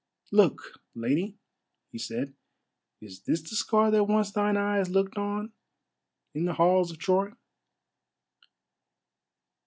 "Look, Lady," he said; "is this the scar that once thine eyes looked on in the halls of Troy?"